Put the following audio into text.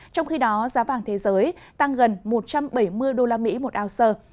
trong khi đó giá vàng thế giới tăng gần một trăm bảy mươi usd một ounce